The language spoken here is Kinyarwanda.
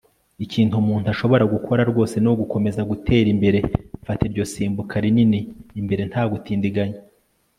ikintu umuntu ashobora gukora rwose ni ugukomeza gutera imbere fata iryo simbuka rinini imbere nta gutindiganya